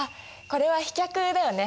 これは飛脚絵だよね。